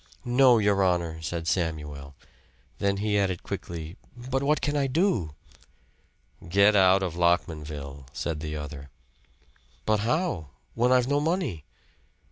"No, your honor," said Samuel. Then he added quickly. "But what can I do?" "Get out of Lockmanville," said the other. "But how? When I've no money.